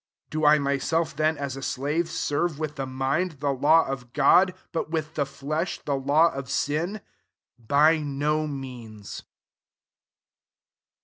Do I myself then, as a slafi serve with the mind, the law( God ; but with the flesh 41 law of sin ?* By no meang.